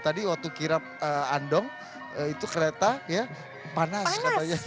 tadi waktu kirap andong itu kereta ya panas katanya